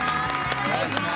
お願いしまーす。